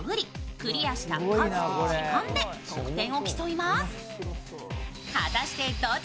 クリアした数と時間で得点を競います。